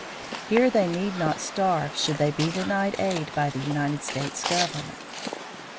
Here they need not starve should they be denied aid by the United States government.